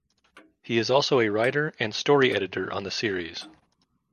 He is also a writer and story editor on the series.